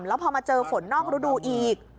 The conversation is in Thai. แล้วพอมาเจอฝนนอกฤดูอีก